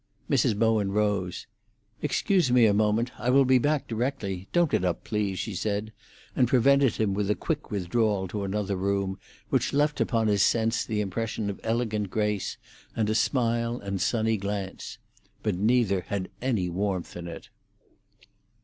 Mrs. Bowen rose. "Excuse me a moment; I will be back directly. Don't get up, please," she said, and prevented him with a quick withdrawal to another room, which left upon his sense the impression of elegant grace, and a smile and sunny glance. But neither had any warmth in it.